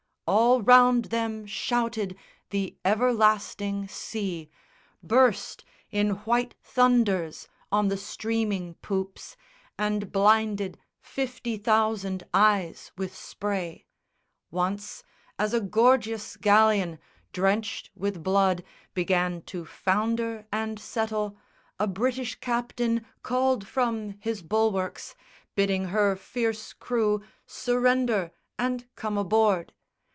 All round them shouted the everlasting sea, Burst in white thunders on the streaming poops And blinded fifty thousand eyes with spray. Once, as a gorgeous galleon, drenched with blood Began to founder and settle, a British captain Called from his bulwarks, bidding her fierce crew Surrender and come aboard.